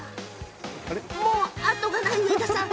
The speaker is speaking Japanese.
もう後がない植田さん